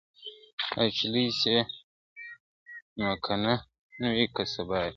دا چي لوی سي نو که نن وي که سبا وي !.